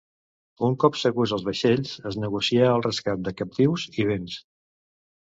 Un cop segurs als vaixells, es negocià el rescat de captius i béns.